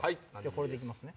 これで行きますね。